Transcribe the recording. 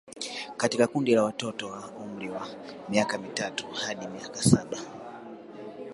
Katika kundi la watoto wa umri wa miaka mitatu hadi miaka saba